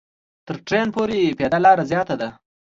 تر ټرېن پورې پیاده لاره زیاته ده.